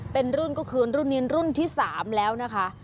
เป็นรุ่นก็คือรุ่นนี้รุ่นที่๓แล้วนะคะ